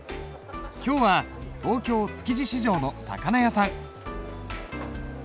今日は東京築地市場の魚屋さん。